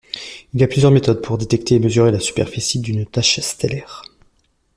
Il y a plusieurs méthodes pour détecter et mesurer la superficie d'une tache stellaire.